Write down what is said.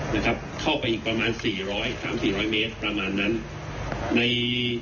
นะครับเข้าไปอีกประมาณสี่ร้อยสามสี่ร้อยเมตรประมาณนั้นใน